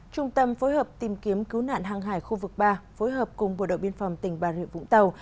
trung tâm phối hợp tìm kiếm cứu nạn hàng hải khu vực ba phối hợp cùng bộ đội biên phòng tỉnh bà rịa vũng tàu